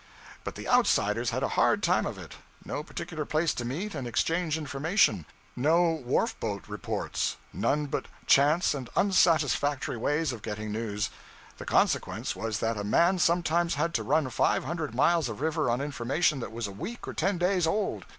But the outsiders had a hard time of it. No particular place to meet and exchange information, no wharf boat reports, none but chance and unsatisfactory ways of getting news. The consequence was that a man sometimes had to run five hundred miles of river on information that was a week or ten days old.